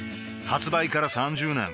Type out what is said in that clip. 発売から３０年